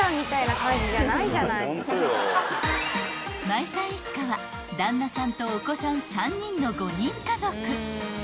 ［舞さん一家は旦那さんとお子さん３人の５人家族］